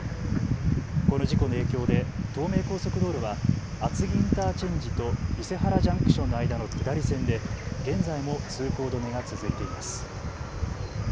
この事故の影響で東名高速道路は厚木インターチェンジと伊勢原ジャンクションの間の下り線で現在も通行止めが続いています。